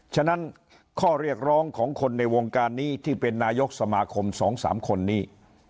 ฉะนั้นข้อเรียกร้องของคนในวงการนี้ที่เป็นนายกสมาคม๒๓คนนี้